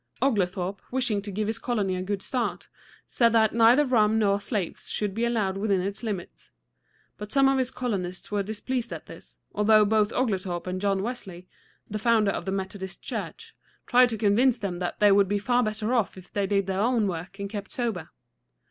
Oglethorpe, wishing to give his colony a good start, said that neither rum nor slaves should be allowed within its limits. But some of his colonists were displeased at this, although both Oglethorpe and John Wesley the founder of the Methodist Church tried to convince them that they would be far better off if they did their own work and kept sober.